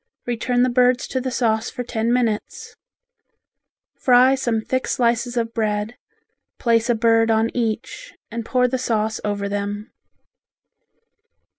Return the birds to the sauce for ten minutes. Fry some thick slices of bread, place a bird on each and pour the sauce over them.